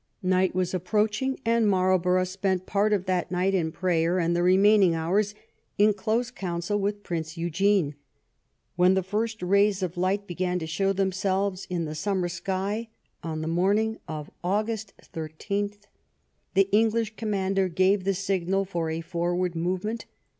Night was ap proaching, and Marlborough spent part of that night in prayer and the remaining hours in close counsel with Prince Eugene. When the first rays of light be gan to show themselves in the summer sky on the morning of August 13th the English commander gave the signal for a forward movement.